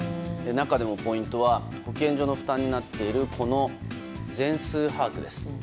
中でもポイントは保健所の負担になっている全数把握です。